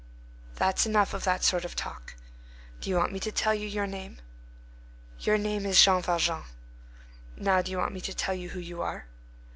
there's enough of that sort of talk. Do you want me to tell you your name? Your name is Jean Valjean. Now do you want me to tell you who you are?